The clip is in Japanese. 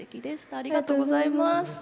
ありがとうございます。